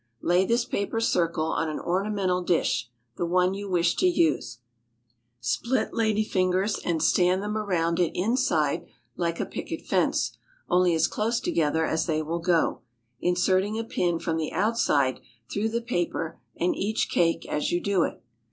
Lay this paper circle on an ornamental dish (the one you wish to use), split lady fingers, and stand them around it inside like a picket fence, only as close together as they will go, inserting a pin from the outside through the paper and each cake as you do it.